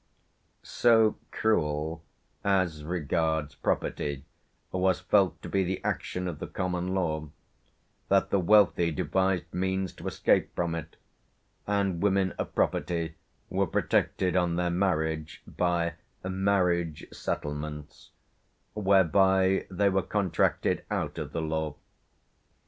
So cruel, as regards, property, was felt to be the action of the common law, that the wealthy devised means to escape from it, and women of property were protected on their marriage by "marriage settlements," whereby they were contracted out of the law.